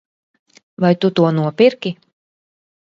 Vai tu to nopirki?